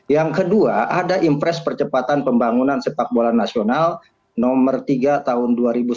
yang kedua ada impres percepatan pembangunan sepak bola nasional nomor tiga tahun dua ribu sembilan belas